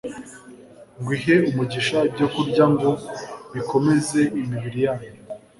ngo ihe umugisha ibyokurya ngo bikomeze imibiri yanyu